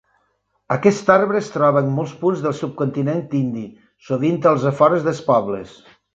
Aquest arbre es troba en molts punts del subcontinent indi, sovint als afores dels pobles.